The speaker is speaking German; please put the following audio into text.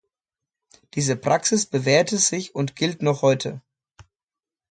Diese Praxis bewährte sich und gilt noch heute.